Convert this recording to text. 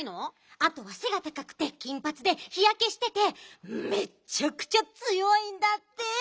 あとはせがたかくて金ぱつで日やけしててめっちゃくちゃつよいんだって！